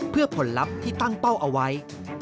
เพื่อผลลัพธ์ที่ตั้งเป้าเอาไว้